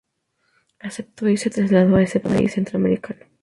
Aceptó y se trasladó a ese país centroamericano.